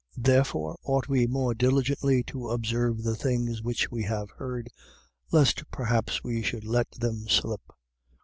2:1. Therefore ought we more diligently to observe the things which we have heard lest perhaps we should let them slip.